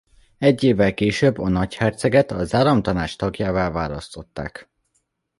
Egy évvel később a nagyherceget az Államtanács tagjává választották.